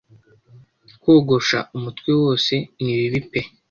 kogosha umutwe wose ni bibi pe